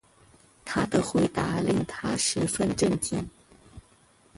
他的回答令她十分震惊